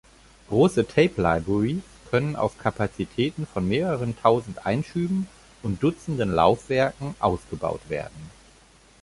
Große Tape-Libraries können auf Kapazitäten von mehreren tausend Einschüben und dutzenden Laufwerken ausgebaut werden.